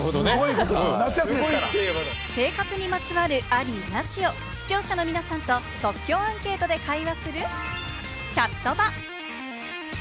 生活にまつわる、あり・なしを視聴者の皆さんと即興アンケートで会話するチャットバ。